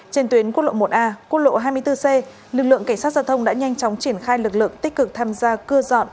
trên tuyến quốc lộ một a quốc lộ hai mươi bốn c lực lượng cảnh sát giao thông đã nhanh chóng triển khai lực lượng tích cực tham gia cưa dọn